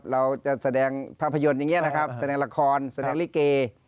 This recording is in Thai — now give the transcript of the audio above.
เราจะแสดงภาพยนตร์อย่างนี้แสดงละครแสดงเรียนแบบเหลือเกร